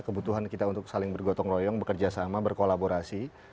kebutuhan kita untuk saling bergotong royong bekerja sama berkolaborasi